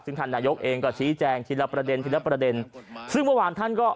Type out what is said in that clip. ซึ่งท่านนายกเองก็ชี้แจงทีละประเด็นทีละประเด็นซึ่งเมื่อวานท่านก็